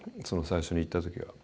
最初に行った時は。